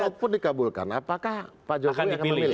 kalau pun dikabulkan apakah pak jokowi akan memilih